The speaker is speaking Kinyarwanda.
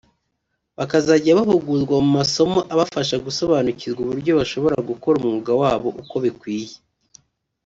bakazajya bahugurwa mu masomo abafasha gusobanukirwa uburyo bashobora gukora umwuga wabo uko bikwiye